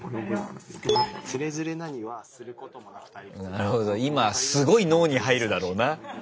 なるほど今すごい脳に入るだろうな。